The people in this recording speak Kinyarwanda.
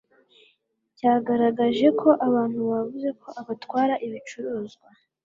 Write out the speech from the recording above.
cyagaragaje ko abantu bavuze ko abatwara ibicuruzwa